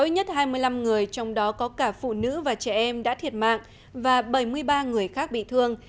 người trong đó có cả phụ nữ và trẻ em đã thiệt mạng và bảy mươi ba người khác bị thương